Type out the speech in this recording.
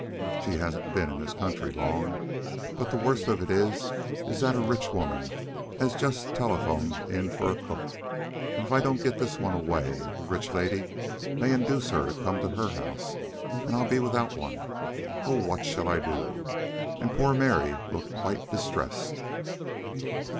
She hasn't been in this country long. But the worst of it is that a rich woman has just telephoned in for a cook, and if I don't get this one away, the rich lady may induce her to come to her house, and I'll be without one! Oh, what shall I do?" and poor Mary looked quite distressed.